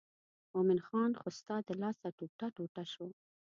مومن خان خو ستا د لاسه ټوټه ټوټه شو.